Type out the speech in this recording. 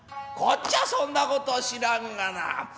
こっちはそんな事知らんがな。